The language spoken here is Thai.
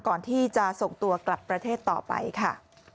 ก่อนที่จะส่งตัวกลับประเทศต่อไปค่ะ